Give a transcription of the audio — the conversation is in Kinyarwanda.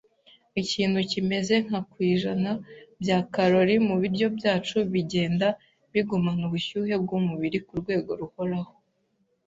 Ikintu kimeze nka ku ijana bya karori mu biryo byacu bigenda bigumana ubushyuhe bwumubiri kurwego ruhoraho.